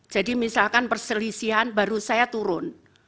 jadi misalkan perselisihan baru saya turun